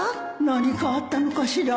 何かあったのかしら？